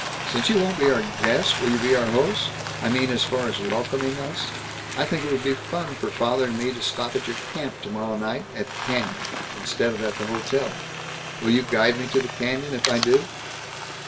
Since you won't be our guest, will you be our host I mean, as far as welcoming us? I think it would be fun for father and me to stop at your camp, tomorrow night, at the canyon, instead of at the hotel. Will you guide me to the canyon, if I do?"